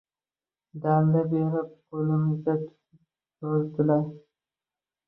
Dalda beradi, qo‘limizdan tutib yozdiradi.